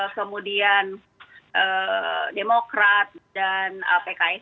kemudian demokrat dan apks